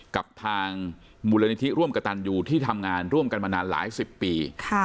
กับทางมูลนิธิร่วมกับตันยูที่ทำงานร่วมกันมานานหลายสิบปี